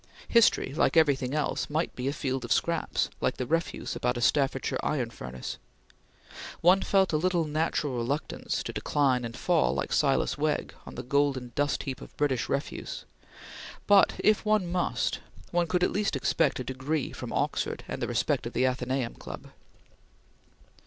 History, like everything else, might be a field of scraps, like the refuse about a Staffordshire iron furnace. One felt a little natural reluctance to decline and fall like Silas Wegg on the golden dust heap of British refuse; but if one must, one could at least expect a degree from Oxford and the respect of the Athenaeum Club.